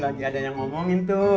jangan lupa ya jika ada yang mau ngomong